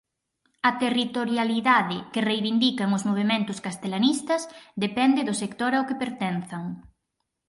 A territorialidade que reivindican os movementos castelanistas depende do sector ao que pertenzan.